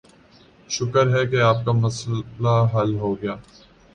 شکر ہے کہ آپ کا مسئلہ حل ہوگیا